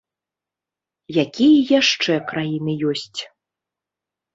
Якія яшчэ краіны ёсць?